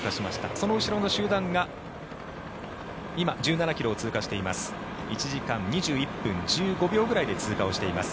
その後ろの集団が今、１７ｋｍを通過しています。